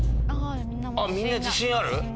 みんな自信ある？